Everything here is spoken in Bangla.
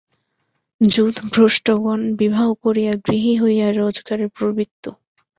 যুথভ্রষ্টগণ বিবাহ করিয়া গৃহী হইয়া রোজগারে প্রবৃত্ত।